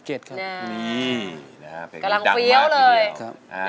นี่นะครับเพลงนี้ดังมากทีเดียว